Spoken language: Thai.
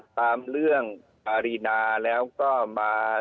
ตามเรื่องอารีนาแล้วก็มา